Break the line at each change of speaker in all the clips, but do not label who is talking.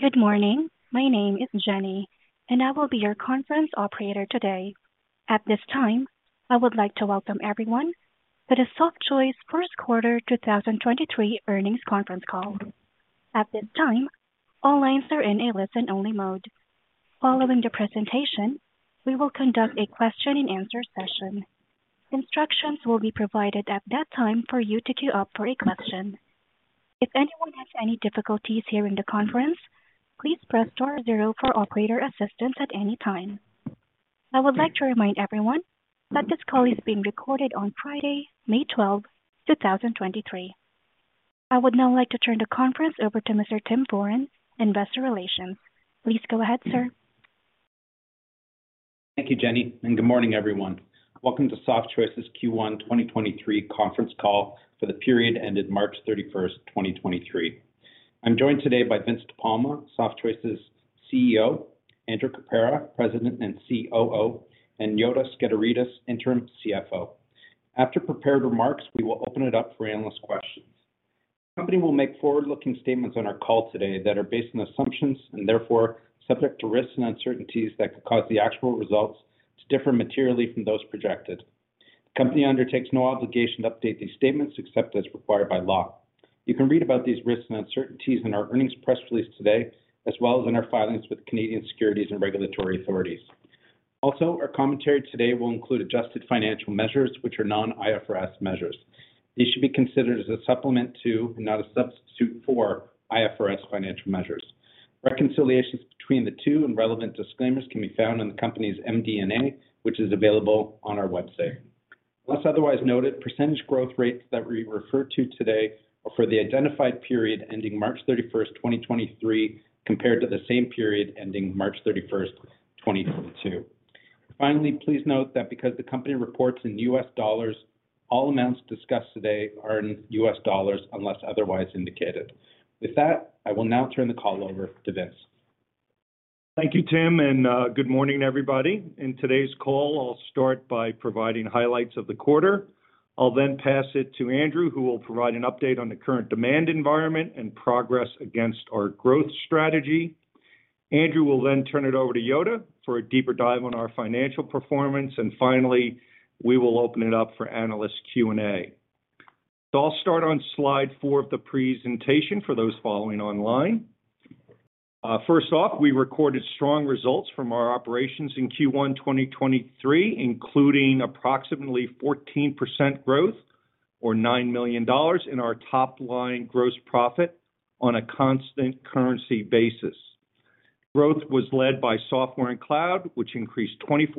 Good morning. My name is Jenny, and I will be your conference operator today. At this time, I would like to welcome everyone to the Softchoice first quarter 2023 earnings conference call. At this time, all lines are in a listen-only mode. Following the presentation, we will conduct a question-and-answer session. Instructions will be provided at that time for you to queue up for a question. If anyone has any difficulties hearing the conference, please press star zero for operator assistance at any time. I would like to remind everyone that this call is being recorded on Friday, May 12th, 2023. I would now like to turn the conference over to Mr. Tim Foran, Investor Relations. Please go ahead, sir.
Thank you, Jenny, and good morning, everyone. Welcome to Softchoice's Q1 2023 conference call for the period ended March 31st, 2023. I'm joined today by Vince De Palma, Softchoice's CEO, Andrew Caprara, President and COO, and Yota Skederidis, Interim CFO. After prepared remarks, we will open it up for analyst questions. The company will make forward-looking statements on our call today that are based on assumptions and therefore subject to risks and uncertainties that could cause the actual results to differ materially from those projected. The company undertakes no obligation to update these statements except as required by law. You can read about these risks and uncertainties in our earnings press release today, as well as in our filings with Canadian Securities and Regulatory Authorities. Our commentary today will include adjusted financial measures, which are non-IFRS measures. These should be considered as a supplement to, and not a substitute for, IFRS financial measures. Reconciliations between the two and relevant disclaimers can be found in the company's MD&A, which is available on our website. Unless otherwise noted, percentage growth rates that we refer to today are for the identified period ending March 31st, 2023, compared to the same period ending March 31st, 2022. Finally, please note that because the company reports in U.S. dollars, all amounts discussed today are in U.S. dollars unless otherwise indicated. With that, I will now turn the call over to Vince.
Thank you, Tim, and good morning, everybody. In today's call, I'll start by providing highlights of the quarter. I'll then pass it to Andrew, who will provide an update on the current demand environment and progress against our growth strategy. Andrew will then turn it over to Yoda for a deeper dive on our financial performance. Finally, we will open it up for analyst Q&A. I'll start on slide four of the presentation for those following online. First off, we recorded strong results from our operations in Q1 2023, including approximately 14% growth or $9 million in our top line gross profit on a constant currency basis. Growth was led by software and cloud, which increased 24%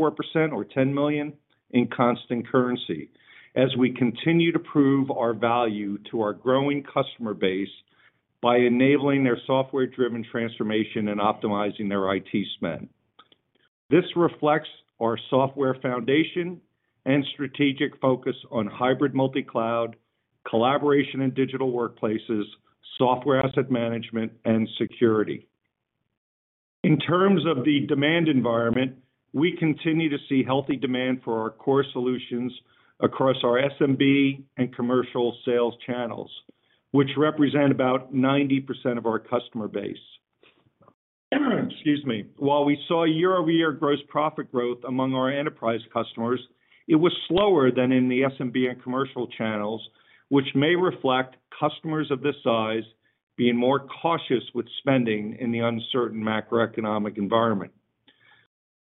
or $10 million in constant currency as we continue to prove our value to our growing customer base by enabling their software-driven transformation and optimizing their IT spend. This reflects our software foundation and strategic focus on hybrid multi-cloud, collaboration in digital workplaces, software asset management, and security. In terms of the demand environment, we continue to see healthy demand for our core solutions across our SMB and commercial sales channels, which represent about 90% of our customer base. Excuse me. While we saw year-over-year gross profit growth among our enterprise customers, it was slower than in the SMB and commercial channels, which may reflect customers of this size being more cautious with spending in the uncertain macroeconomic environment.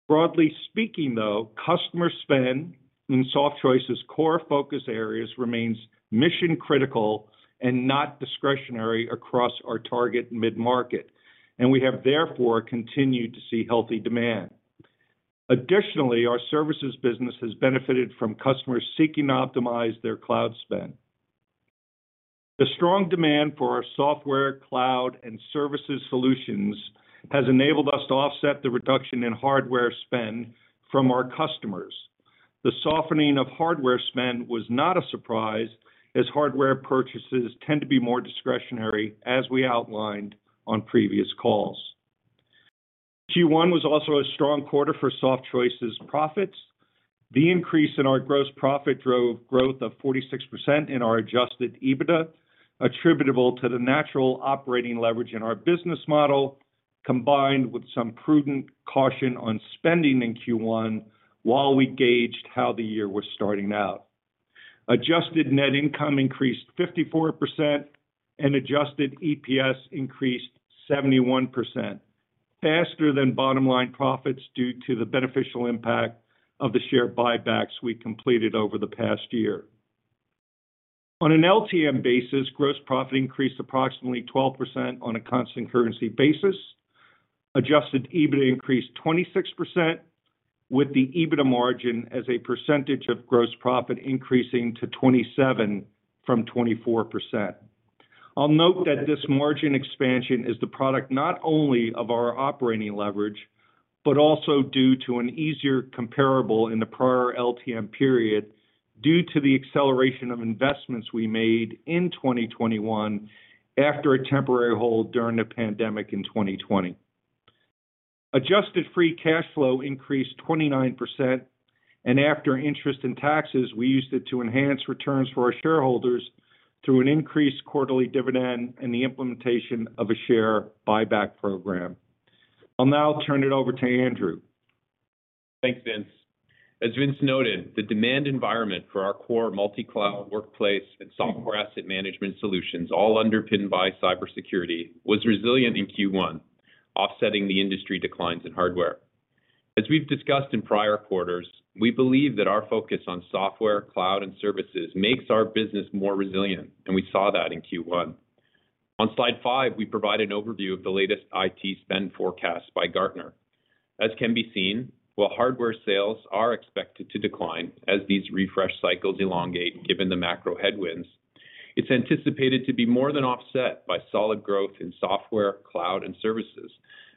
Broadly speaking, though, customer spend in Softchoice's core focus areas remains mission-critical and not discretionary across our target mid-market, and we have therefore continued to see healthy demand. Additionally, our services business has benefited from customers seeking to optimize their cloud spend. The strong demand for our software, cloud, and services solutions has enabled us to offset the reduction in hardware spend from our customers. The softening of hardware spend was not a surprise, as hardware purchases tend to be more discretionary as we outlined on previous calls. Q1 was also a strong quarter for Softchoice's profits. The increase in our gross profit drove growth of 46% in our adjusted EBITDA, attributable to the natural operating leverage in our business model, combined with some prudent caution on spending in Q1 while we gauged how the year was starting out. Adjusted net income increased 54%, and adjusted EPS increased 71%, faster than bottom line profits due to the beneficial impact of the share buybacks we completed over the past year. On an LTM basis, gross profit increased approximately 12% on a constant currency basis. Adjusted EBITDA increased 26%, with the EBITDA margin as a percentage of gross profit increasing to 27% from 24%. I'll note that this margin expansion is the product not only of our operating leverage, but also due to an easier comparable in the prior LTM period due to the acceleration of investments we made in 2021 after a temporary hold during the pandemic in 2020. Adjusted free cash flow increased 29%, and after interest in taxes, we used it to enhance returns for our shareholders through an increased quarterly dividend and the implementation of a share buyback program. I'll now turn it over to Andrew.
Thanks, Vince. As Vince noted, the demand environment for our core multi-cloud workplace and software asset management solutions, all underpinned by cybersecurity, was resilient in Q1, offsetting the industry declines in hardware. As we've discussed in prior quarters, we believe that our focus on software, cloud, and services makes our business more resilient. We saw that in Q1. On slide 5, we provide an overview of the latest IT spend forecast by Gartner. As can be seen, while hardware sales are expected to decline as these refresh cycles elongate, given the macro headwinds, it's anticipated to be more than offset by solid growth in software, cloud, and services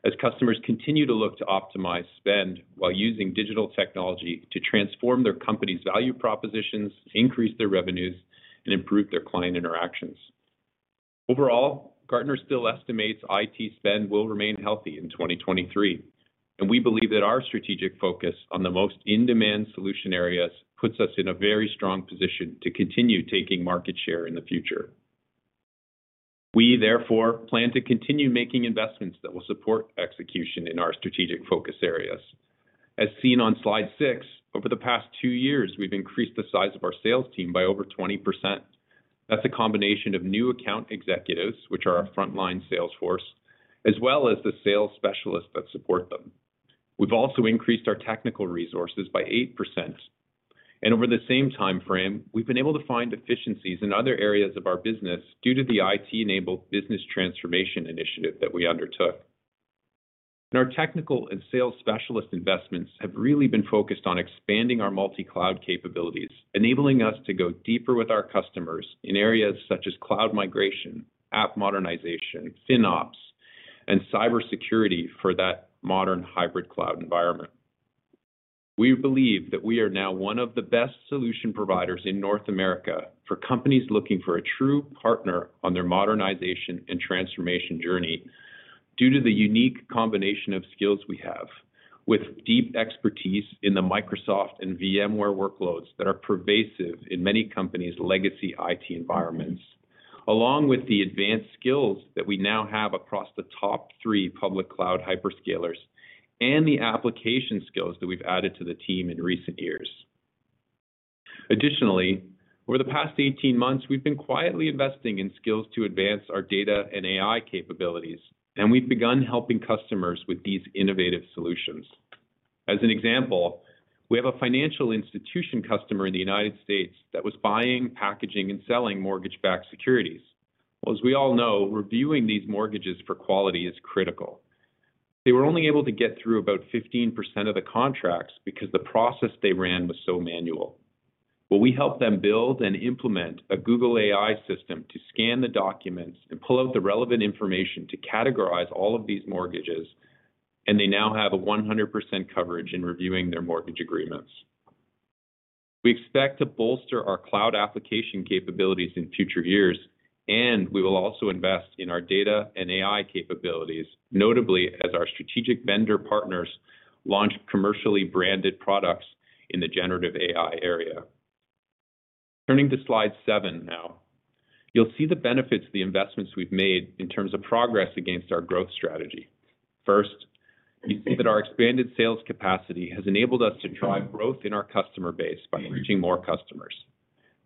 as customers continue to look to optimize spend while using digital technology to transform their company's value propositions, increase their revenues, and improve their client interactions. Overall, Gartner still estimates IT spend will remain healthy in 2023. We believe that our strategic focus on the most in-demand solution areas puts us in a very strong position to continue taking market share in the future. We therefore plan to continue making investments that will support execution in our strategic focus areas. As seen on slide 6, over the past two years, we've increased the size of our sales team by over 20%. That's a combination of new account executives, which are our frontline sales force, as well as the sales specialists that support them. We've also increased our technical resources by 8%. Over the same timeframe, we've been able to find efficiencies in other areas of our business due to the IT-enabled business transformation initiative that we undertook. Our technical and sales specialist investments have really been focused on expanding our multi-cloud capabilities, enabling us to go deeper with our customers in areas such as cloud migration, app modernization, FinOps, and cybersecurity for that modern hybrid cloud environment. We believe that we are now one of the best solution providers in North America for companies looking for a true partner on their modernization and transformation journey due to the unique combination of skills we have with deep expertise in the Microsoft and VMware workloads that are pervasive in many companies' legacy IT environments, along with the advanced skills that we now have across the top three public cloud hyperscalers and the application skills that we've added to the team in recent years. Additionally, over the past 18 months, we've been quietly investing in skills to advance our data and AI capabilities, and we've begun helping customers with these innovative solutions. As an example, we have a financial institution customer in the United States that was buying, packaging, and selling mortgage-backed securities. Well, as we all know, reviewing these mortgages for quality is critical. They were only able to get through about 15% of the contracts because the process they ran was so manual. Well, we helped them build and implement a Google AI system to scan the documents and pull out the relevant information to categorize all of these mortgages, and they now have a 100% coverage in reviewing their mortgage agreements. We expect to bolster our cloud application capabilities in future years. We will also invest in our data and AI capabilities, notably as our strategic vendor partners launch commercially branded products in the generative AI area. Turning to slide 7 now. You'll see the benefits of the investments we've made in terms of progress against our growth strategy. First, you see that our expanded sales capacity has enabled us to drive growth in our customer base by reaching more customers.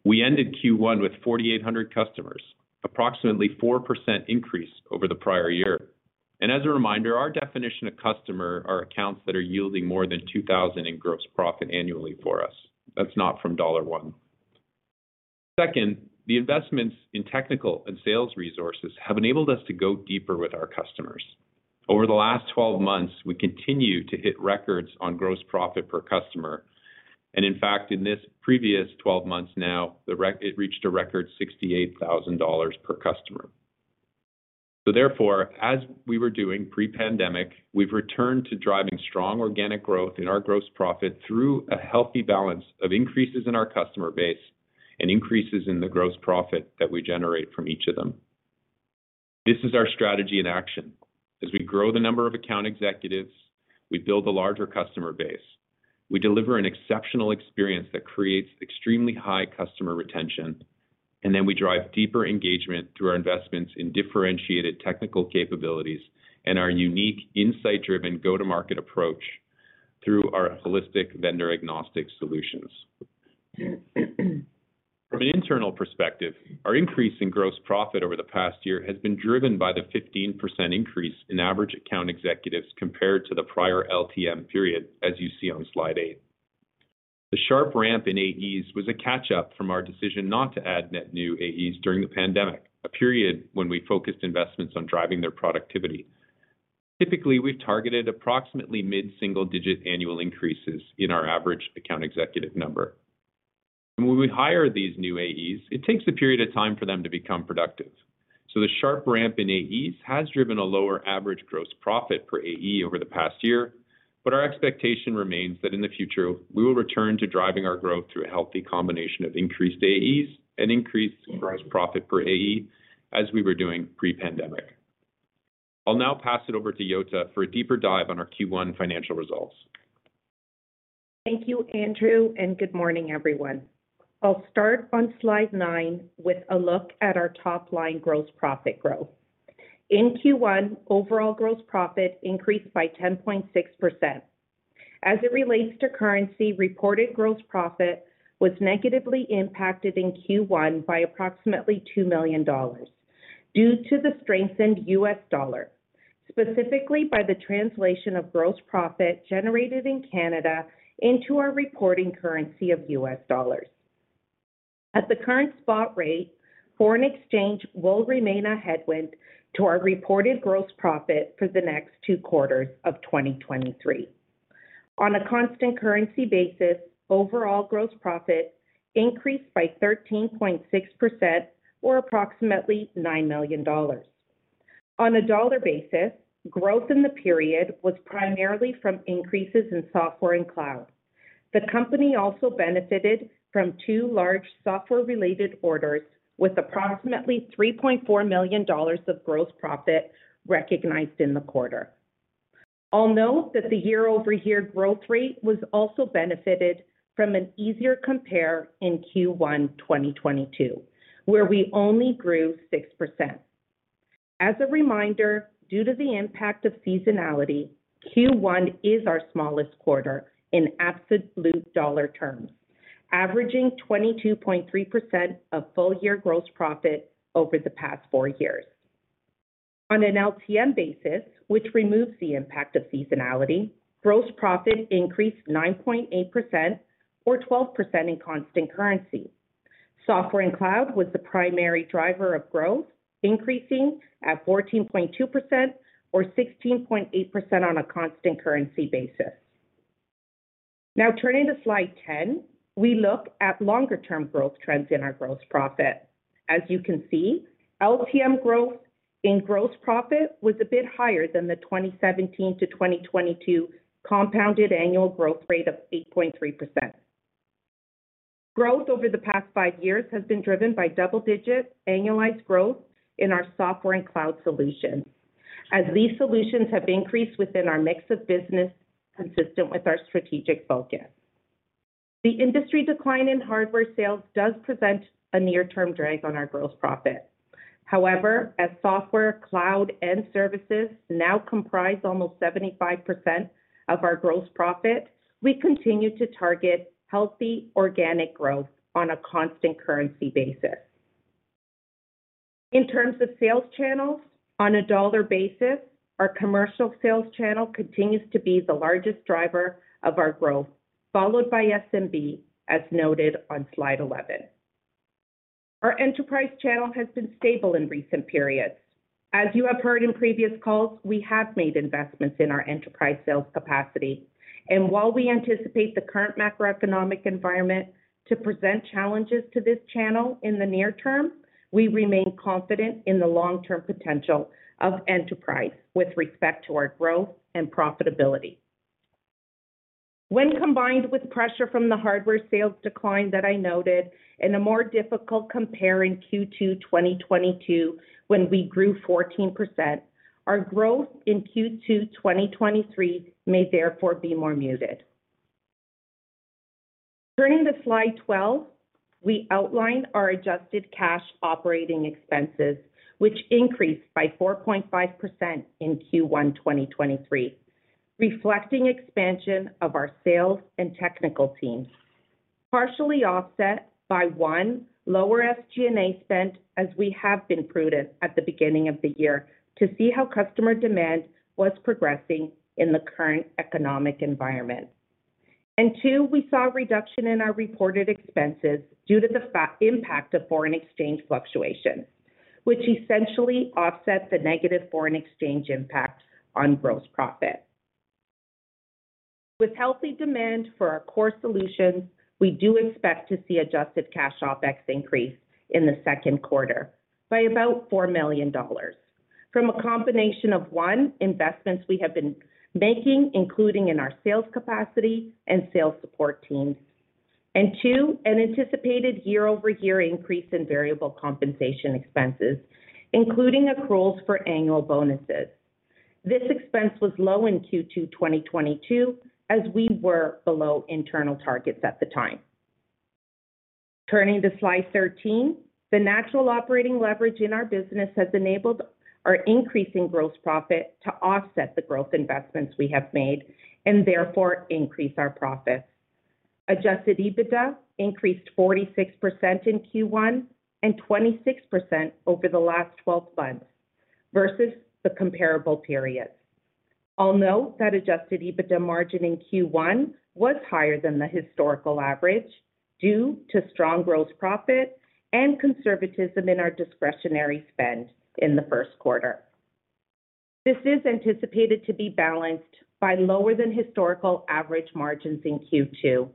We ended Q1 with 4,800 customers, approximately 4% increase over the prior year. As a reminder, our definition of customer are accounts that are yielding more than $2,000 in gross profit annually for us. That's not from dollar one. Second, the investments in technical and sales resources have enabled us to go deeper with our customers. Over the last 12 months, we continue to hit records on gross profit per customer. In fact, in this previous 12 months now, it reached a record $68,000 per customer. Therefore, as we were doing pre-pandemic, we've returned to driving strong organic growth in our gross profit through a healthy balance of increases in our customer base and increases in the gross profit that we generate from each of them. This is our strategy in action. As we grow the number of account executives, we build a larger customer base. We deliver an exceptional experience that creates extremely high customer retention, we drive deeper engagement through our investments in differentiated technical capabilities and our unique insight-driven go-to-market approach through our holistic vendor-agnostic solutions. From an internal perspective, our increase in gross profit over the past year has been driven by the 15% increase in average account executives compared to the prior LTM period, as you see on slide 8. The sharp ramp in AEs was a catch-up from our decision not to add net new AEs during the pandemic, a period when we focused investments on driving their productivity. Typically, we've targeted approximately mid-single-digit annual increases in our average account executive number. When we hire these new AEs, it takes a period of time for them to become productive. The sharp ramp in AEs has driven a lower average gross profit per AE over the past year. Our expectation remains that in the future, we will return to driving our growth through a healthy combination of increased AEs and increased gross profit per AE as we were doing pre-pandemic. I'll now pass it over to Yota for a deeper dive on our Q1 financial results.
Thank you, Andrew. Good morning, everyone. I'll start on slide 9 with a look at our top-line gross profit growth. In Q1, overall gross profit increased by 10.6%. As it relates to currency, reported gross profit was negatively impacted in Q1 by approximately $2 million due to the strengthened US dollar, specifically by the translation of gross profit generated in Canada into our reporting currency of U.S. dollars. At the current spot rate, foreign exchange will remain a headwind to our reported gross profit for the next two quarters of 2023. On a constant currency basis, overall gross profit increased by 13.6% or approximately $9 million. On a dollar basis, growth in the period was primarily from increases in software and cloud. The company also benefited from two large software-related orders with approximately $3.4 million of gross profit recognized in the quarter. I'll note that the year-over-year growth rate was also benefited from an easier compare in Q1 2022, where we only grew 6%. As a reminder, due to the impact of seasonality, Q1 is our smallest quarter in absolute dollar terms, averaging 22.3% of full-year gross profit over the past four years. On an LTM basis, which removes the impact of seasonality, gross profit increased 9.8% or 12% in constant currency. Software and cloud was the primary driver of growth, increasing at 14.2% or 16.8% on a constant currency basis. Turning to slide 10, we look at longer-term growth trends in our gross profit. As you can see, LTM growth in gross profit was a bit higher than the 2017 to 2022 compounded annual growth rate of 8.3%. Growth over the past five years has been driven by double-digit annualized growth in our software and cloud solutions, as these solutions have increased within our mix of business consistent with our strategic focus. The industry decline in hardware sales does present a near-term drag on our gross profit. However, as software, cloud, and services now comprise almost 75% of our gross profit, we continue to target healthy organic growth on a constant currency basis. In terms of sales channels, on a dollar basis, our commercial sales channel continues to be the largest driver of our growth, followed by SMB, as noted on slide 11. Our enterprise channel has been stable in recent periods. As you have heard in previous calls, we have made investments in our enterprise sales capacity. While we anticipate the current macroeconomic environment to present challenges to this channel in the near term, we remain confident in the long-term potential of enterprise with respect to our growth and profitability. When combined with pressure from the hardware sales decline that I noted in a more difficult compare in Q2 2022, when we grew 14%, our growth in Q2 2023 may therefore be more muted. Turning to slide 12, we outlined our adjusted cash operating expenses, which increased by 4.5% in Q1 2023, reflecting expansion of our sales and technical teams, partially offset by, one, lower SG&A spend, as we have been prudent at the beginning of the year to see how customer demand was progressing in the current economic environment. Two, we saw a reduction in our reported expenses due to the impact of foreign exchange fluctuations, which essentially offset the negative foreign exchange impact on gross profit. With healthy demand for our core solutions, we do expect to see adjusted cash OpEx increase in the second quarter by about $4 million from a combination of, one, investments we have been making, including in our sales capacity and sales support teams. Two, an anticipated year-over-year increase in variable compensation expenses, including accruals for annual bonuses. This expense was low in Q2 2022, as we were below internal targets at the time. Turning to slide 13, the natural operating leverage in our business has enabled our increasing gross profit to offset the growth investments we have made and therefore increase our profits. Adjusted EBITDA increased 46% in Q1 and 26% over the last 12 months versus the comparable periods. I'll note that adjusted EBITDA margin in Q1 was higher than the historical average due to strong gross profit and conservatism in our discretionary spend in the first quarter. This is anticipated to be balanced by lower than historical average margins in Q2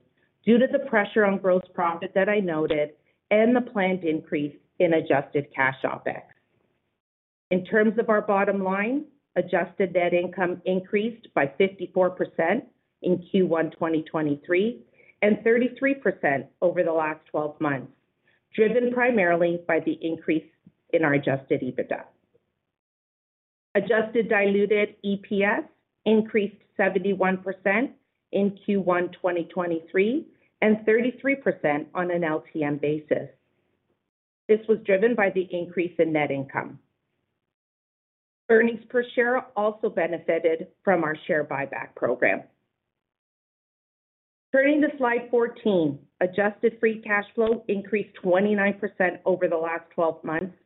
due to the pressure on gross profit that I noted and the planned increase in adjusted cash OpEx. In terms of our bottom line, adjusted net income increased by 54% in Q1 2023 and 33% over the last 12 months, driven primarily by the increase in our adjusted EBITDA. Adjusted diluted EPS increased 71% in Q1 2023 and 33% on an LTM basis. This was driven by the increase in net income. Earnings per share also benefited from our share buyback program. Turning to slide 14. Adjusted free cash flow increased 29% over the last 12 months,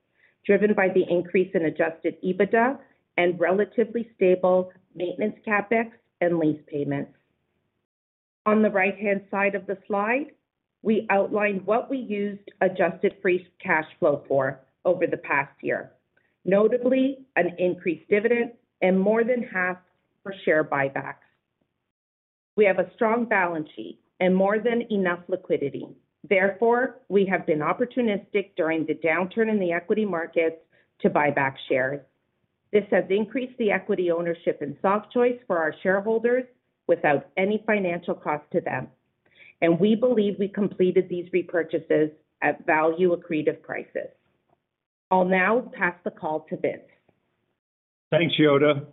driven by the increase in adjusted EBITDA and relatively stable maintenance CapEx and lease payments. On the right-hand side of the slide, we outlined what we used adjusted free cash flow for over the past year. Notably, an increased dividend and more than half for share buybacks. We have a strong balance sheet and more than enough liquidity. We have been opportunistic during the downturn in the equity markets to buy back shares. This has increased the equity ownership in Softchoice for our shareholders without any financial cost to them. We believe we completed these repurchases at value-accretive prices. I'll now pass the call to Vince.
Thanks, Yota.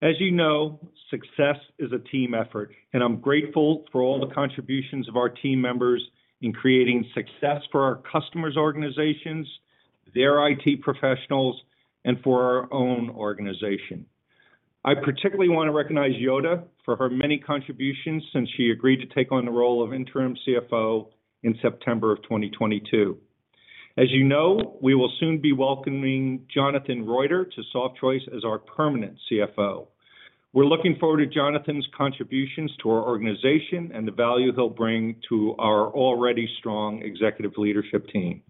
As you know, success is a team effort. I'm grateful for all the contributions of our team members in creating success for our customers' organizations, their IT professionals, and for our own organization. I particularly want to recognize Yota for her many contributions since she agreed to take on the role of interim CFO in September of 2022. As you know, we will soon be welcoming Jonathan Roiter to Softchoice as our permanent CFO. We're looking forward to Jonathan's contributions to our organization and the value he'll bring to our already strong executive leadership team.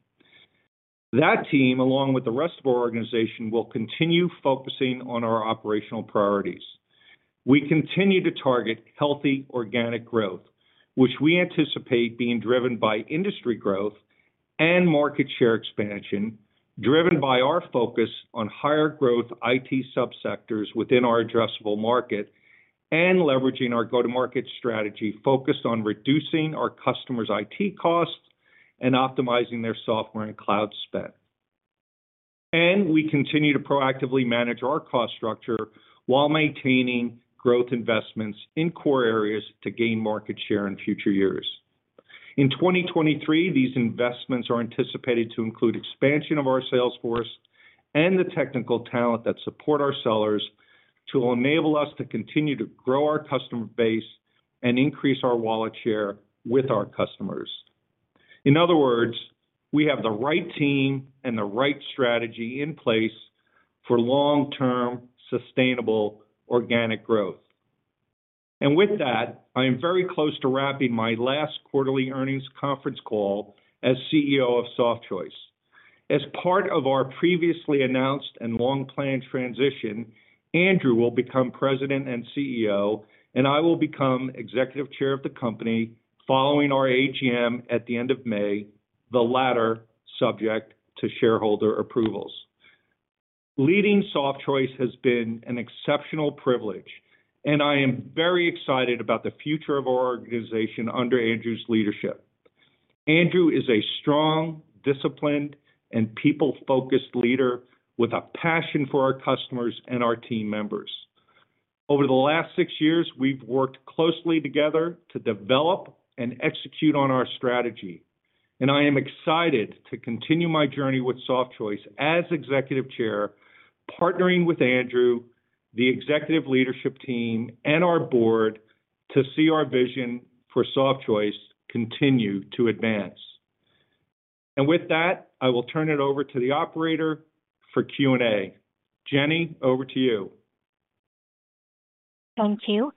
That team, along with the rest of our organization, will continue focusing on our operational priorities. We continue to target healthy organic growth, which we anticipate being driven by industry growth and market share expansion, driven by our focus on higher growth IT subsectors within our addressable market, and leveraging our go-to-market strategy focused on reducing our customers' IT costs and optimizing their software and cloud spend. We continue to proactively manage our cost structure while maintaining growth investments in core areas to gain market share in future years. In 2023, these investments are anticipated to include expansion of our sales force and the technical talent that support our sellers to enable us to continue to grow our customer base and increase our wallet share with our customers. In other words, we have the right team and the right strategy in place for long-term sustainable organic growth. With that, I am very close to wrapping my last quarterly earnings conference call as CEO of Softchoice. As part of our previously announced and long-planned transition, Andrew will become President and CEO, and I will become Executive Chair of the company following our AGM at the end of May, the latter subject to shareholder approvals. Leading Softchoice has been an exceptional privilege, and I am very excited about the future of our organization under Andrew's leadership. Andrew is a strong, disciplined, and people-focused leader with a passion for our customers and our team members. Over the last six years, we've worked closely together to develop and execute on our strategy, and I am excited to continue my journey with Softchoice as Executive Chair, partnering with Andrew, the executive leadership team, and our board to see our vision for Softchoice continue to advance. With that, I will turn it over to the operator for Q&A. Jenny, over to you.
Thank you.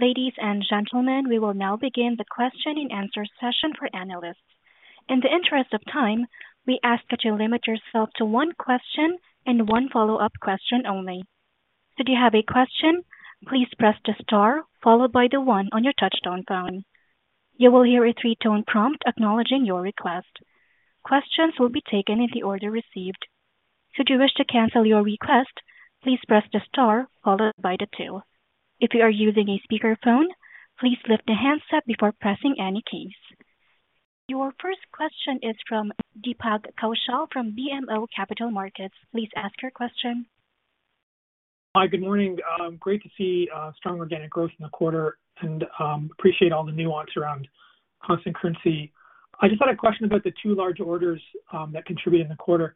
Ladies and gentlemen, we will now begin the question-and-answer session for analysts. In the interest of time, we ask that you limit yourself to one question and one follow-up question only. If you have a question, please press the star followed by the one on your touchtone phone. You will hear a three-tone prompt acknowledging your request. Questions will be taken in the order received. Should you wish to cancel your request, please press the star followed by the two. If you are using a speakerphone, please lift the handset before pressing any keys. Your first question is from Deepak Kaushal from BMO Capital Markets. Please ask your question.
Hi. Good morning. Great to see strong organic growth in the quarter and appreciate all the nuance around constant currency. I just had a question about the two large orders that contributed in the quarter.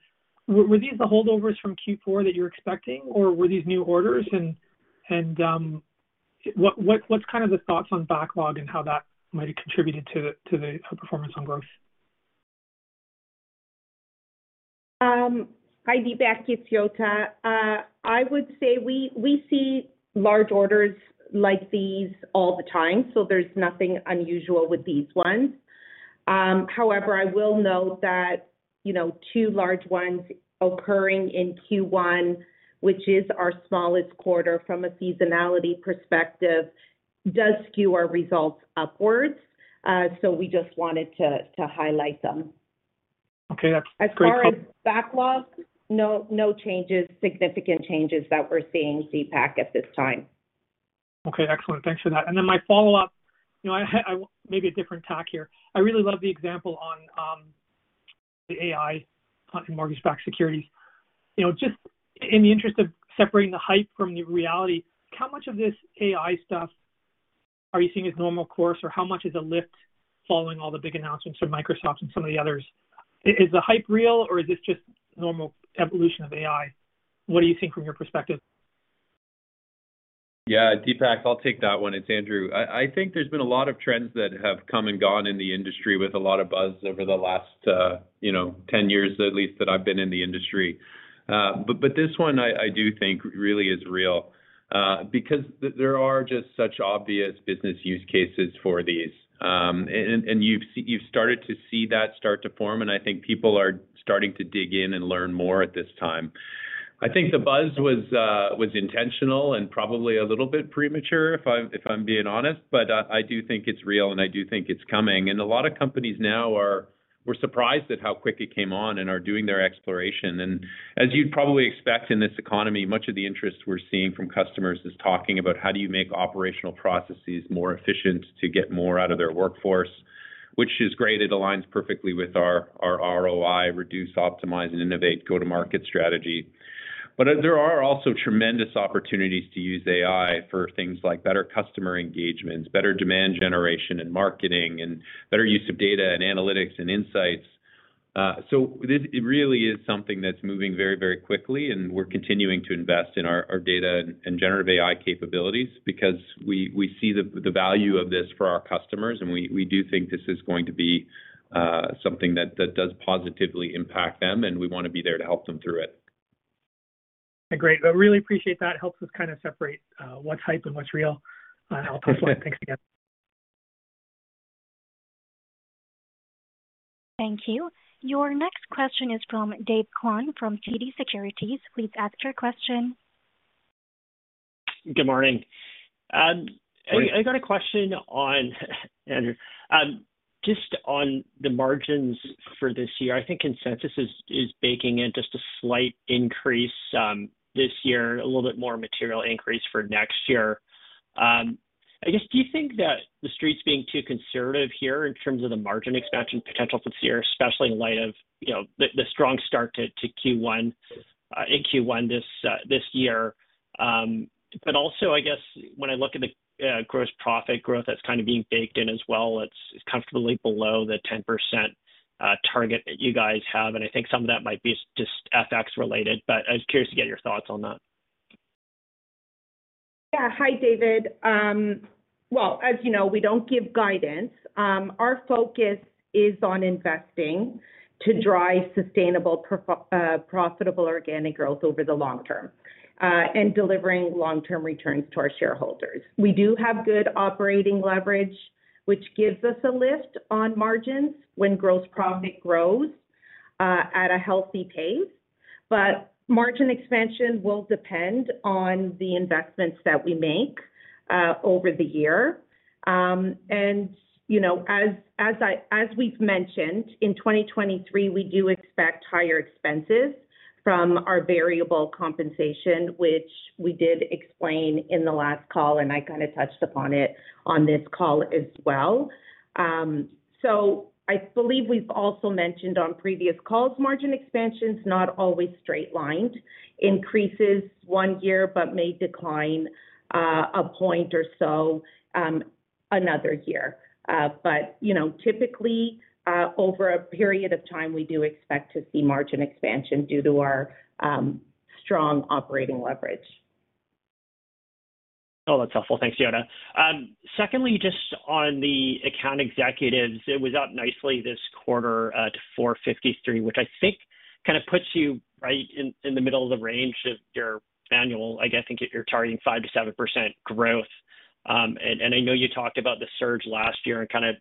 Were these the holdovers from Q4 that you're expecting, or were these new orders? What's kind of the thoughts on backlog and how that might have contributed to the performance on growth?
Hi, Deepak. It's Yota. I would say we see large orders like these all the time, there's nothing unusual with these ones. However, I will note that, you know, two large ones occurring in Q1, which is our smallest quarter from a seasonality perspective, does skew our results upwards. We just wanted to highlight them.
Okay, that's great.
As far as backlog, no changes, significant changes that we're seeing, Deepak, at this time.
Okay, excellent. Thanks for that. My follow-up, you know, Maybe a different tack here. I really love the example on the AI mortgage-backed securities. You know, just in the interest of separating the hype from the reality, how much of this AI stuff are you seeing as normal course, or how much is a lift following all the big announcements from Microsoft and some of the others? Is the hype real, or is this just normal evolution of AI? What do you think from your perspective?
Yeah, Deepak, I'll take that one. It's Andrew. I think there's been a lot of trends that have come and gone in the industry with a lot of buzz over the last, you know, 10 years at least, that I've been in the industry. But this one I do think really is real, because there are just such obvious business use cases for these. And you've started to see that start to form, and I think people are starting to dig in and learn more at this time. I think the buzz was intentional and probably a little bit premature, if I'm being honest. I do think it's real, and I do think it's coming. A lot of companies now were surprised at how quick it came on and are doing their exploration. As you'd probably expect in this economy, much of the interest we're seeing from customers is talking about how do you make operational processes more efficient to get more out of their workforce, which is great. It aligns perfectly with our ROI reduce, optimize, and innovate go-to-market strategy. There are also tremendous opportunities to use AI for things like better customer engagements, better demand generation and marketing, and better use of data and analytics and insights. This really is something that's moving very, very quickly, and we're continuing to invest in our data and generative AI capabilities because we see the value of this for our customers. We do think this is going to be something that does positively impact them, and we wanna be there to help them through it.
Great. I really appreciate that. Helps us kinda separate, what's hype and what's real. Helpful. Thanks again.
Thank you. Your next question is from Daniel Chan from TD Securities. Please ask your question.
Good morning.
Morning.
I got a question on, Andrew, just on the margins for this year. I think consensus is baking in just a slight increase this year and a little bit more material increase for next year. I guess do you think that the street's being too conservative here in terms of the margin expansion potential for this year, especially in light of, you know, the strong start to Q1 in Q1 this year? Also, I guess when I look at the gross profit growth that's kind of being baked in as well, it's comfortably below the 10% target that you guys have, and I think some of that might be just FX related, but I was curious to get your thoughts on that.
Hi, Daniel. Well, as you know, we don't give guidance. Our focus is on investing to drive sustainable profitable organic growth over the long term, and delivering long-term returns to our shareholders. We do have good operating leverage, which gives us a lift on margins when gross profit grows at a healthy pace. Margin expansion will depend on the investments that we make over the year. You know, as we've mentioned, in 2023, we do expect higher expenses from our variable compensation, which we did explain in the last call, and I kinda touched upon it on this call as well. I believe we've also mentioned on previous calls, margin expansion's not always straight-lined, increases one year, but may decline a point or so another year. You know, typically, over a period of time, we do expect to see margin expansion due to our strong operating leverage.
Oh, that's helpful. Thanks, Yota. Secondly, just on the account executives, it was up nicely this quarter, at 453, which I think kinda puts you right in the middle of the range of your annual. I guess I think you're targeting 5%-7% growth. And I know you talked about the surge last year and kinda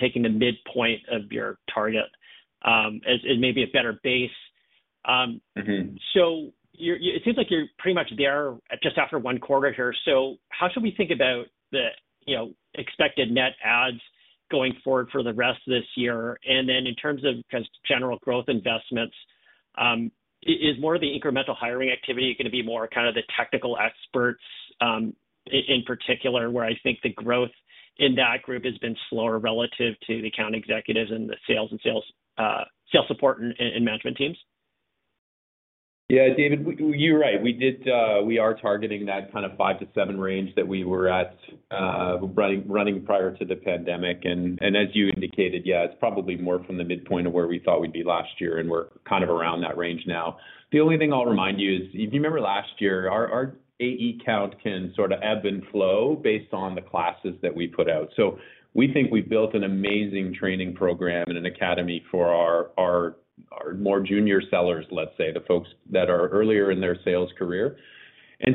taking the midpoint of your target, as maybe a better base.
Mm-hmm.
It seems like you're pretty much there just after one quarter here. How should we think about the, you know, expected net adds going forward for the rest of this year? Then in terms of just general growth investments, is more of the incremental hiring activity gonna be more kind of the technical experts, in particular where I think the growth in that group has been slower relative to the account executives and the sales support and management teams?
Yeah, Daniel, you're right. We did, we are targeting that kind of five to seven range that we were at running prior to the pandemic. As you indicated, yeah, it's probably more from the midpoint of where we thought we'd be last year, and we're kind of around that range now. The only thing I'll remind you is, if you remember last year, our AE count can sort of ebb and flow based on the classes that we put out. We think we've built an amazing training program and an academy for our more junior sellers, let's say, the folks that are earlier in their sales career.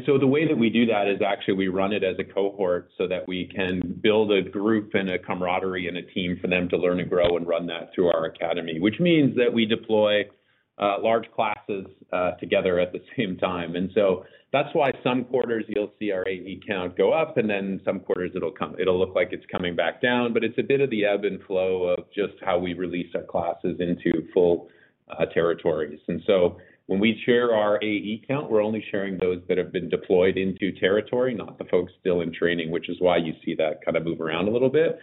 The way that we do that is actually we run it as a cohort so that we can build a group and a camaraderie and a team for them to learn and grow and run that through our academy, which means that we deploy large classes together at the same time. That's why some quarters you'll see our AE count go up, and then some quarters it'll look like it's coming back down, but it's a bit of the ebb and flow of just how we release our classes into full territories. When we share our AE count, we're only sharing those that have been deployed into territory, not the folks still in training, which is why you see that kind of move around a little bit.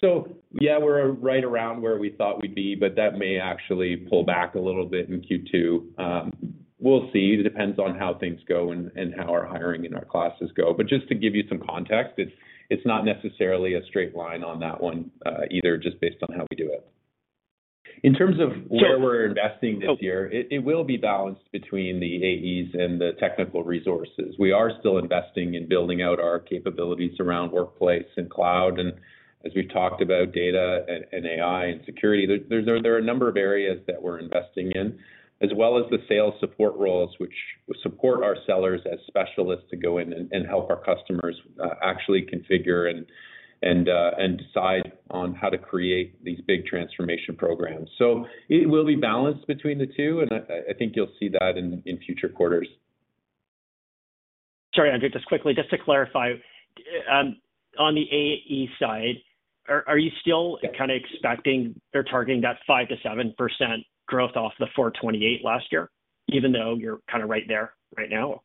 Yeah, we're right around where we thought we'd be, but that may actually pull back a little bit in Q2. We'll see. It depends on how things go and how our hiring and our classes go. Just to give you some context, it's not necessarily a straight line on that one either, just based on how we do it. In terms of where we're investing this year, it will be balanced between the AEs and the technical resources. We are still investing in building out our capabilities around workplace and cloud, and as we've talked about data and AI and security. There are a number of areas that we're investing in, as well as the sales support roles, which support our sellers as specialists to go in and help our customers actually configure and and decide on how to create these big transformation programs. It will be balanced between the two, and I think you'll see that in future quarters.
Sorry, Andrew. Just quickly, just to clarify, on the AE side, are you still kinda expecting or targeting that 5%-7% growth off the $428 last year, even though you're kinda right there right now?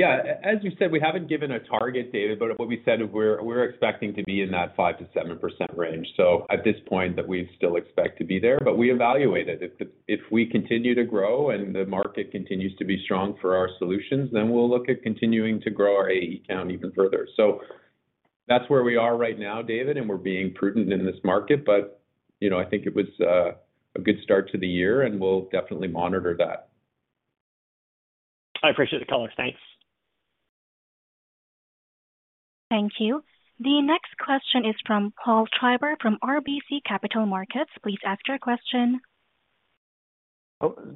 Yeah. As you said, we haven't given a target, Daniel. What we said we're expecting to be in that 5%-7% range. At this point that we still expect to be there. We evaluate it. If we continue to grow and the market continues to be strong for our solutions, we'll look at continuing to grow our AE count even further. That's where we are right now, Daniel. We're being prudent in this market. You know, I think it was a good start to the year. We'll definitely monitor that.
I appreciate the color. Thanks.
Thank you. The next question is from Paul Treiber from RBC Capital Markets. Please ask your question.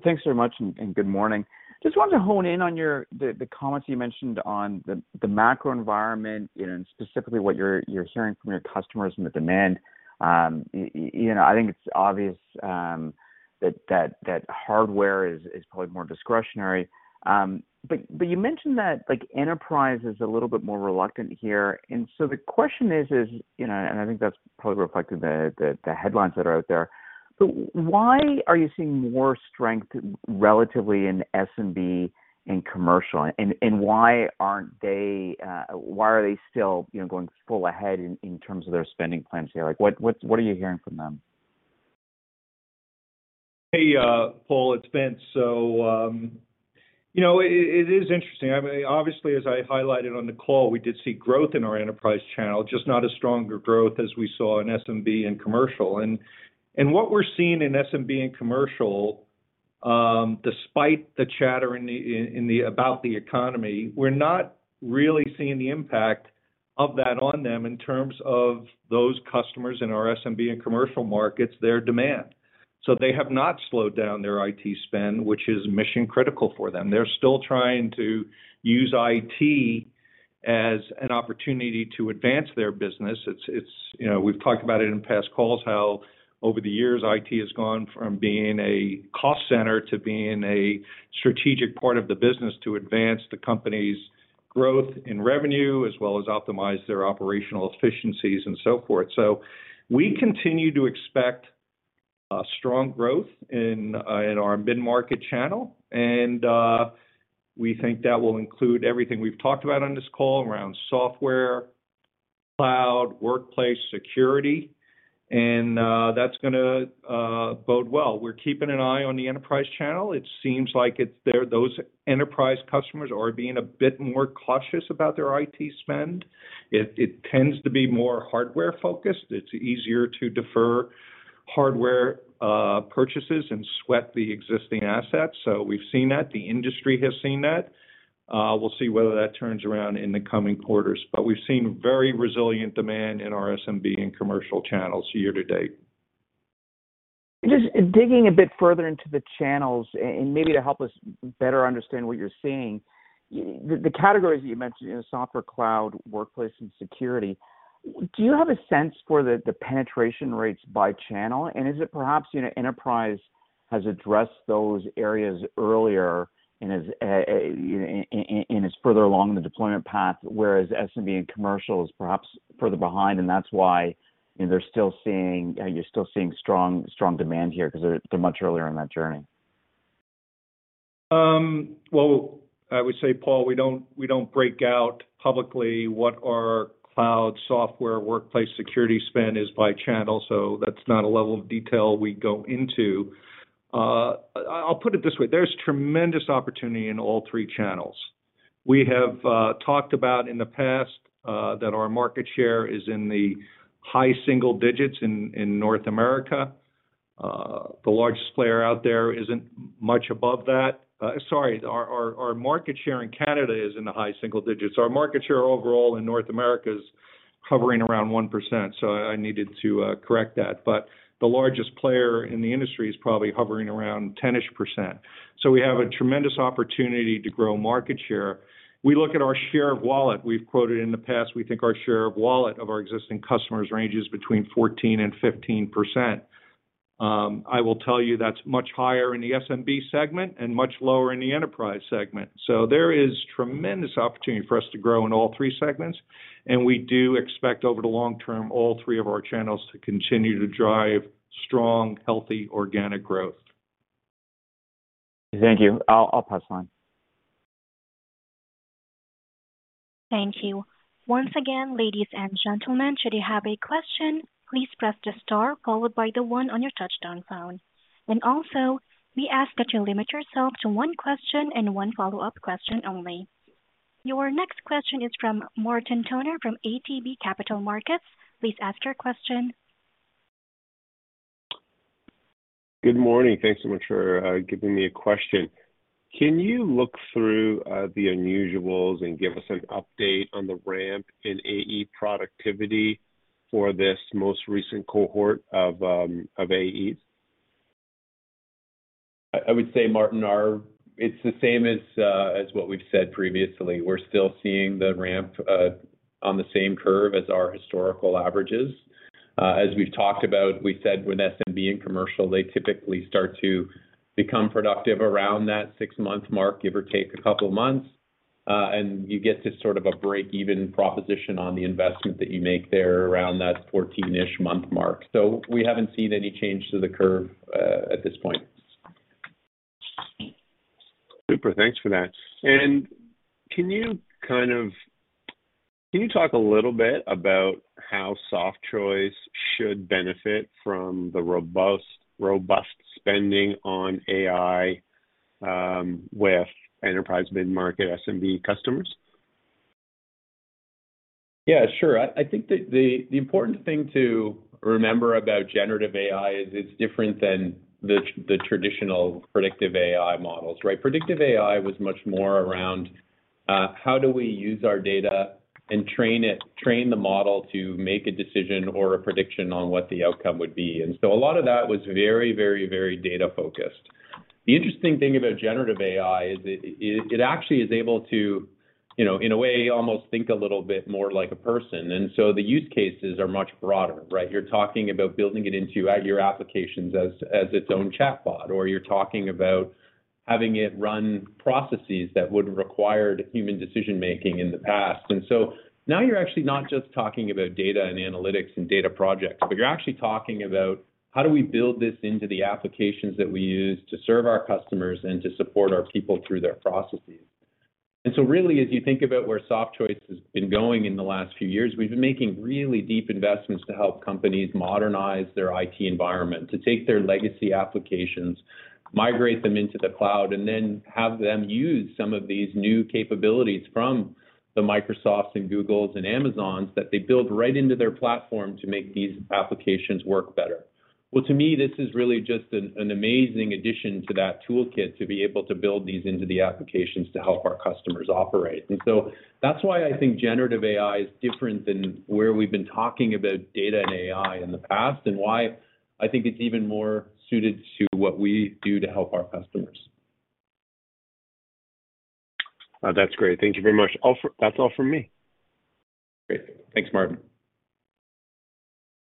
Thanks very much, and good morning. Just wanted to hone in on the comments you mentioned on the macro environment and specifically what you're hearing from your customers and the demand. You know, I think it's obvious that hardware is probably more discretionary. You mentioned that like enterprise is a little bit more reluctant here. The question is, you know, and I think that's probably reflected the headlines that are out there. Why are you seeing more strength relatively in SMB and commercial? Why aren't they, why are they still, you know, going full ahead in terms of their spending plans here? Like, what are you hearing from them?
Hey, Paul, it's Vince. You know, it is interesting. I mean, obviously, as I highlighted on the call, we did see growth in our enterprise channel, just not as strong a growth as we saw in SMB and commercial. What we're seeing in SMB and commercial, despite the chatter about the economy, we're not really seeing the impact of that on them in terms of those customers in our SMB and commercial markets, their demand. They have not slowed down their IT spend, which is mission-critical for them. They're still trying to use IT as an opportunity to advance their business. It's, you know, we've talked about it in past calls how over the years IT has gone from being a cost center to being a strategic part of the business to advance the company's growth in revenue, as well as optimize their operational efficiencies and so forth. We continue to expect strong growth in our mid-market channel, and we think that will include everything we've talked about on this call around software, cloud, workplace, security, and that's gonna bode well. We're keeping an eye on the enterprise channel. It seems like it's there. Those enterprise customers are being a bit more cautious about their IT spend. It tends to be more hardware-focused. It's easier to defer hardware purchases and sweat the existing assets. We've seen that. The industry has seen that. We'll see whether that turns around in the coming quarters. We've seen very resilient demand in our SMB and commercial channels year to date.
Just digging a bit further into the channels and maybe to help us better understand what you're seeing. The categories that you mentioned, you know, software, cloud, workplace, and security, do you have a sense for the penetration rates by channel? Is it perhaps, you know, enterprise has addressed those areas earlier and is further along the deployment path, whereas SMB and commercial is perhaps further behind, and that's why, you know, you're still seeing strong demand here because they're much earlier in that journey?
Well, I would say, Paul, we don't break out publicly what our cloud software workplace security spend is by channel, so that's not a level of detail we go into. I'll put it this way. There's tremendous opportunity in all three channels. We have talked about in the past that our market share is in the high single digits in North America. The largest player out there isn't much above that. Sorry, our market share in Canada is in the high single digits. Our market share overall in North America is hovering around 1%, so I needed to correct that. The largest player in the industry is probably hovering around 10-ish%. We have a tremendous opportunity to grow market share. We look at our share of wallet. We've quoted in the past, we think our share of wallet of our existing customers ranges between 14% and 15%. I will tell you that's much higher in the SMB segment and much lower in the enterprise segment. There is tremendous opportunity for us to grow in all three segments, and we do expect over the long term, all three of our channels to continue to drive strong, healthy organic growth.
Thank you. I'll pass on.
Thank you. Once again, ladies and gentlemen, should you have a question, please press the star followed by the one on your touchdown phone. Also we ask that you limit yourself to one question and one follow-up question only. Your next question is from Martin Toner from ATB Capital Markets. Please ask your question.
Good morning. Thanks so much for giving me a question. Can you look through the unusuals and give us an update on the ramp in AE productivity for this most recent cohort of AEs?
I would say, Martin, it's the same as what we've said previously. We're still seeing the ramp on the same curve as our historical averages. As we've talked about, we said with SMB and commercial, they typically start to become productive around that six-month mark, give or take a couple of months. You get to sort of a break-even proposition on the investment that you make there around that 14-ish month mark. We haven't seen any change to the curve at this point.
Super. Thanks for that. Can you talk a little bit about how Softchoice should benefit from the robust spending on AI with enterprise mid-market SMB customers?
Sure. I think the important thing to remember about generative AI is it's different than the traditional predictive AI models, right? Predictive AI was much more around how do we use our data and train the model to make a decision or a prediction on what the outcome would be. A lot of that was very data-focused. The interesting thing about generative AI is it actually is able to, you know, in a way, almost think a little bit more like a person. The use cases are much broader, right? You're talking about building it into your applications as its own chatbot, or you're talking about having it run processes that would have required human decision-making in the past. Now you're actually not just talking about data and analytics and data projects, but you're actually talking about how do we build this into the applications that we use to serve our customers and to support our people through their processes. Really, as you think about where Softchoice has been going in the last few years, we've been making really deep investments to help companies modernize their IT environment, to take their legacy applications, migrate them into the cloud, and then have them use some of these new capabilities from the Microsoft, Google, and Amazon that they build right into their platform to make these applications work better. Well, to me, this is really just an amazing addition to that toolkit to be able to build these into the applications to help our customers operate. That's why I think generative AI is different than where we've been talking about data and AI in the past, and why I think it's even more suited to what we do to help our customers.
That's great. Thank you very much. All that's all from me.
Great. Thanks, Martin.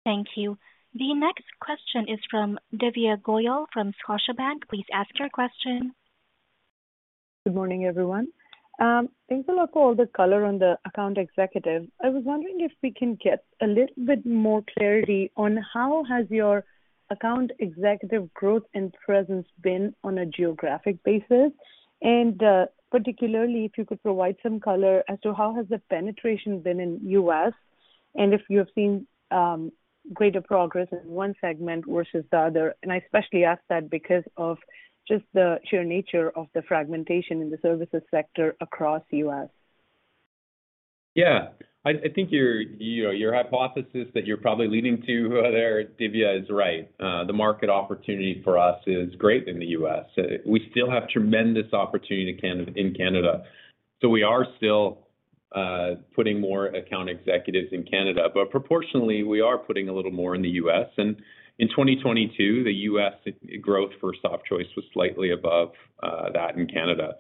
Thank you. The next question is from Divya Goyal from Scotiabank. Please ask your question.
Good morning, everyone. Thanks a lot for all the color on the account executive. I was wondering if we can get a little bit more clarity on how has your account executive growth and presence been on a geographic basis? Particularly if you could provide some color as to how has the penetration been in U.S., and if you have seen greater progress in one segment versus the other. I especially ask that because of just the sheer nature of the fragmentation in the services sector across U.S.
I think your, you know, your hypothesis that you're probably leading to there, Divya, is right. The market opportunity for us is great in the U.S. We still have tremendous opportunity in Canada. We are still putting more account executives in Canada. Proportionally, we are putting a little more in the U.S. In 2022, the U.S. growth for Softchoice was slightly above that in Canada.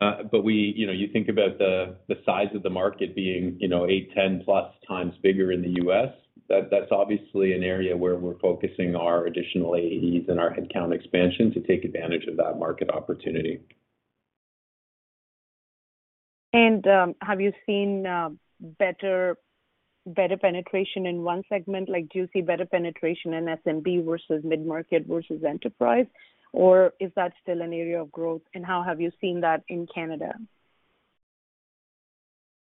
You know, you think about the size of the market being, you know, eight, 10+ times bigger in the U.S., that's obviously an area where we're focusing our additional AEs and our headcount expansion to take advantage of that market opportunity.
Have you seen better penetration in one segment? Like, do you see better penetration in SMB versus mid-market versus enterprise, or is that still an area of growth, and how have you seen that in Canada?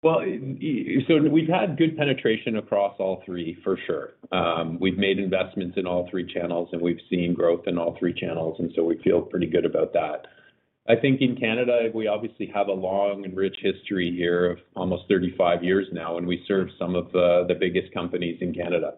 Well, we've had good penetration across all three for sure. We've made investments in all three channels, we've seen growth in all three channels, we feel pretty good about that. I think in Canada, we obviously have a long and rich history here of almost 35 years now, we serve some of the biggest companies in Canada.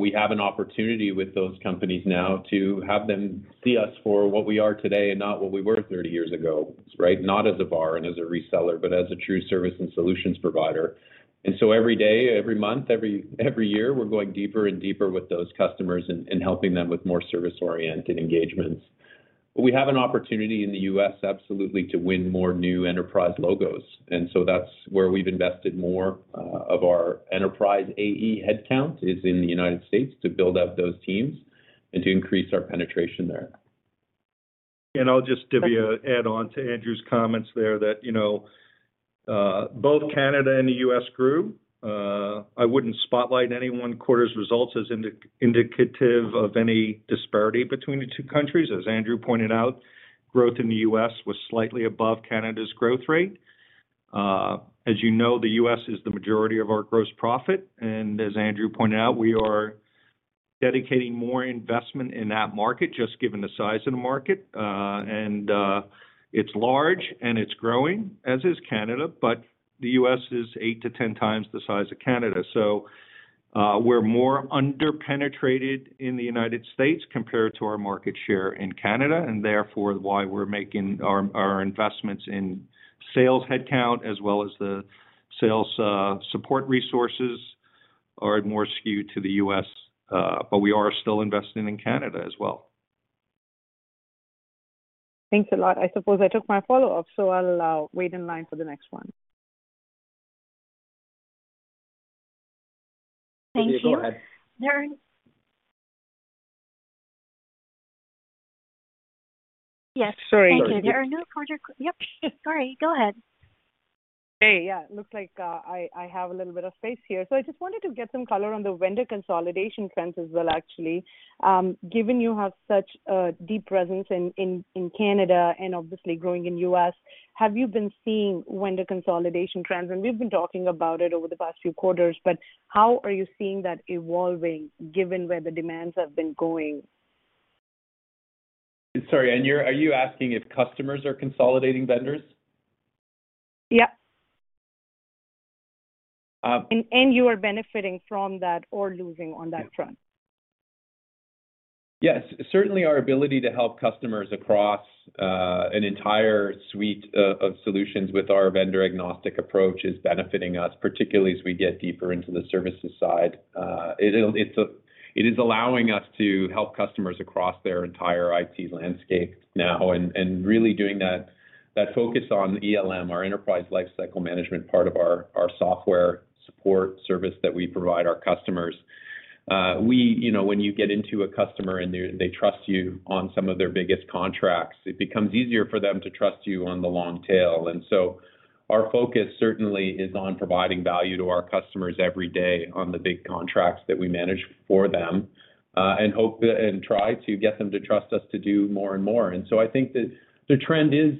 We have an opportunity with those companies now to have them see us for what we are today and not what we were 30 years ago, right? Not as a VAR and as a reseller, but as a true service and solutions provider. Every day, every month, every year, we're going deeper and deeper with those customers and helping them with more service-oriented engagements. We have an opportunity in the U.S. absolutely to win more new enterprise logos. That's where we've invested more of our enterprise AE headcount is in the United States to build out those teams and to increase our penetration there.
I'll just give you an add on to Andrew's comments there that, you know, both Canada and the U.S. grew. I wouldn't spotlight any one quarter's results as indicative of any disparity between the two countries. As Andrew pointed out, growth in the U.S. was slightly above Canada's growth rate. As you know, the U.S. is the majority of our gross profit, and as Andrew pointed out, we are dedicating more investment in that market, just given the size of the market. It's large and it's growing, as is Canada, but the U.S. is eight to 10 times the size of Canada. We're more under-penetrated in the United States compared to our market share in Canada, therefore why we're making our investments in sales headcount as well as the sales support resources are more skewed to the U.S.. We are still investing in Canada as well.
Thanks a lot. I suppose I took my follow-up. I'll wait in line for the next one.
Thank you.
Please go ahead.
There... Yes.
Sorry.
Thank you. There are no quarter... Yep. Sorry, go ahead.
Yeah, it looks like I have a little bit of space here. I just wanted to get some color on the vendor consolidation trends as well, actually. Given you have such a deep presence in Canada and obviously growing in U.S., have you been seeing vendor consolidation trends? We've been talking about it over the past few quarters, but how are you seeing that evolving given where the demands have been going?
Sorry, you're, are you asking if customers are consolidating vendors?
Yep.
Um-
You are benefiting from that or losing on that front.
Yes. Certainly, our ability to help customers across an entire suite of solutions with our vendor-agnostic approach is benefiting us, particularly as we get deeper into the services side. It is allowing us to help customers across their entire IT landscape now and really doing that focus on ELM, our enterprise lifecycle management part of our software support service that we provide our customers. We, you know, when you get into a customer and they trust you on some of their biggest contracts, it becomes easier for them to trust you on the long tail. Our focus certainly is on providing value to our customers every day on the big contracts that we manage for them, and try to get them to trust us to do more and more. I think that the trend is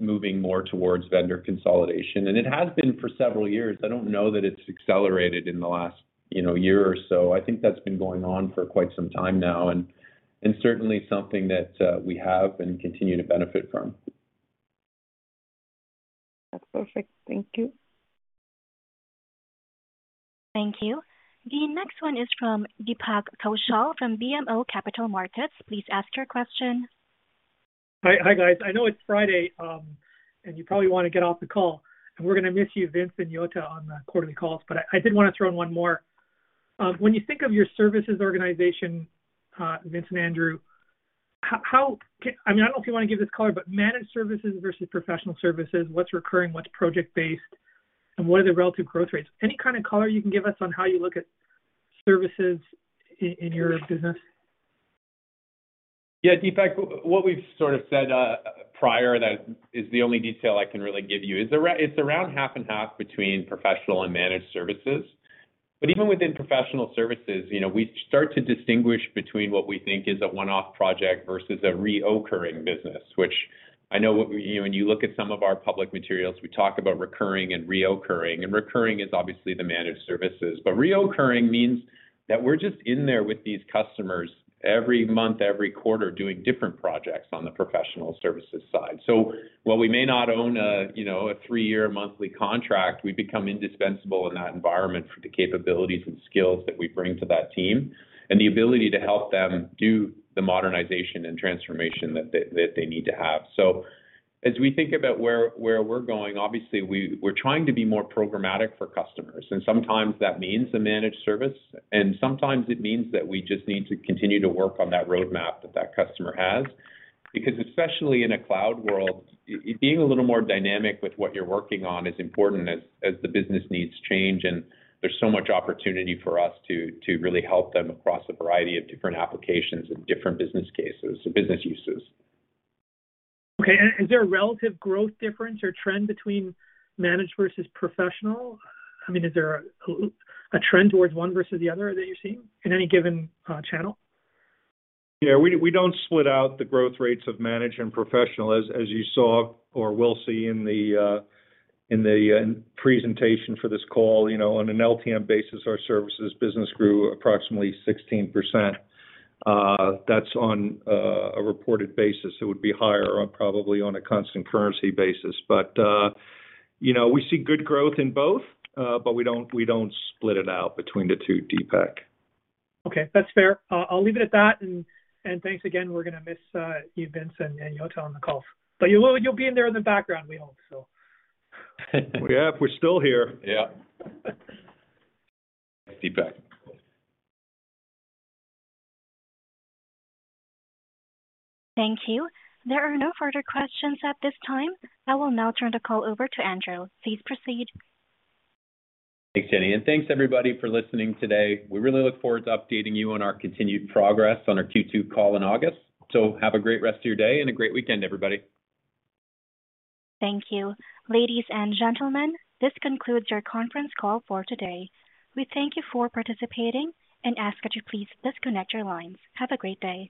moving more towards vendor consolidation, and it has been for several years. I don't know that it's accelerated in the last, you know, year or so. I think that's been going on for quite some time now and certainly something that we have and continue to benefit from.
That's perfect. Thank you.
Thank you. The next one is from Deepak Kaushal from BMO Capital Markets. Please ask your question.
Hi. Hi, guys. I know it's Friday, and you probably wanna get off the call, and we're gonna miss you, Vince and Yota, on the quarterly calls, I did wanna throw in one more. When you think of your services organization, Vince and Andrew, how can I mean, I don't know if you wanna give this color, managed services versus professional services, what's recurring, what's project-based, and what are the relative growth rates? Any kind of color you can give us on how you look at services in your business?
Yeah, Deepak, what we've sort of said prior, that is the only detail I can really give you, it's around half and half between professional and managed services. Even within professional services, you know, we start to distinguish between what we think is a one-off project versus a reoccurring business, which I know when you, when you look at some of our public materials, we talk about recurring and reoccurring. Recurring is obviously the managed services, but reoccurring means that we're just in there with these customers every month, every quarter, doing different projects on the professional services side. While we may not own a, you know, a three-year monthly contract, we become indispensable in that environment for the capabilities and skills that we bring to that team and the ability to help them do the modernization and transformation that they need to have. As we think about where we're going, obviously, we're trying to be more programmatic for customers, and sometimes that means a managed service, and sometimes it means that we just need to continue to work on that roadmap that customer has. Especially in a cloud world, being a little more dynamic with what you're working on is important as the business needs change, and there's so much opportunity for us to really help them across a variety of different applications and different business cases and business uses.
Okay. Is there a relative growth difference or trend between managed versus professional? I mean, is there a trend towards one versus the other that you're seeing in any given channel?
Yeah, we don't split out the growth rates of managed and professional. As you saw or will see in the presentation for this call, you know, on an LTM basis, our services business grew approximately 16%. That's on a reported basis. It would be higher on probably on a constant currency basis. You know, we see good growth in both, but we don't split it out between the two, Deepak.
Okay, that's fair. I'll leave it at that and thanks again. We're gonna miss you, Vince and Yota, on the call. You'll be in there in the background, we hope, so.
We are. We're still here.
Yeah. Deepak.
Thank you. There are no further questions at this time. I will now turn the call over to Andrew. Please proceed.
Thanks, Jenny, thanks everybody for listening today. We really look forward to updating you on our continued progress on our Q2 call in August. Have a great rest of your day and a great weekend, everybody.
Thank you. Ladies and gentlemen, this concludes your conference call for today. We thank you for participating and ask that you please disconnect your lines. Have a great day.